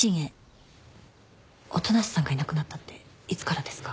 音無さんがいなくなったっていつからですか？